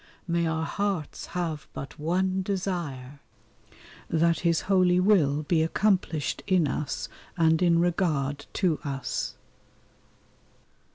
May our hearts have but one desire, that His holy will be accomplished in us and in regard to us.